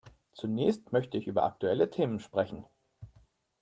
Zunächst möchte ich über aktuelle Themen sprechen.